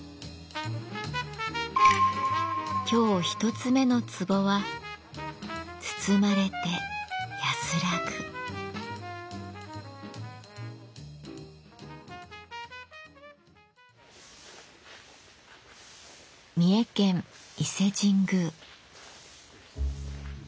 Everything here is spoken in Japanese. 今日１つ目の壺は三重県伊勢神宮。